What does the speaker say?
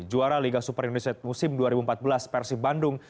juara liga super indonesia musim dua ribu empat belas persib bandung